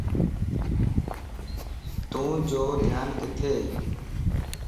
توجو ڌيان ڪٿي؟